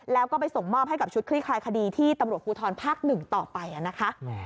แล้วก็ไปส่งมอบให้กับชุดคลี่คลายคดีที่ตำรวจภูทรภาค๑ต่อไปนะคะ